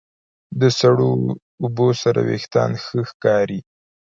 سړو اوبو سره وېښتيان ښه ښکاري.